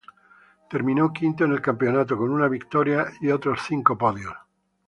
Terminó quinto en el campeonato, con una victoria y otros cinco podios.